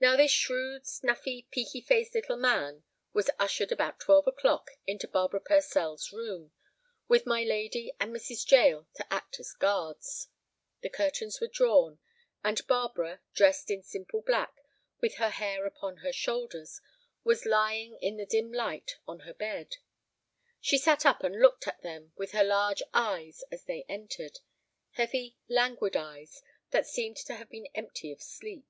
Now this shrewd, snuffy, peaky faced little man was ushered about twelve o'clock into Barbara Purcell's room, with my lady and Mrs. Jael to act as guards. The curtains were drawn, and Barbara, dressed in simple black, with her hair upon her shoulders, was lying, in the dim light, on her bed. She sat up and looked at them with her large eyes as they entered—heavy, languid eyes, that seemed to have been empty of sleep.